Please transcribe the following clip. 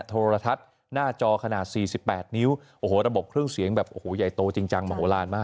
โทรทัศน์หน้าจอขนาด๔๘นิ้วโอ้โหระบบเครื่องเสียงแบบโอ้โหใหญ่โตจริงจังมโหลานมาก